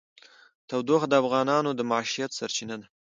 تودوخه د افغانانو د معیشت سرچینه ده.